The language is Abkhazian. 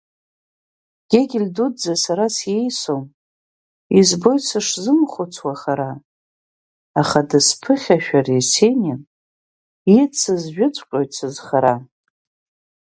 Гегель дуӡӡа сара сиеисом, Избоит сышзымхәыцуа хара, Аха дысԥыхьашәар Есенин Ицызжәыҵәҟьоит сызхара.